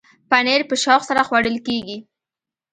پنېر په شوق سره خوړل کېږي.